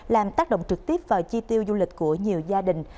làm tác động trực tiếp vào chi tiêu du lịch của nhiều gia đình